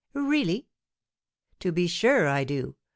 "Really?" "To be sure I do.